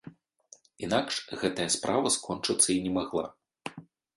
Інакш гэтая справа скончыцца і не магла.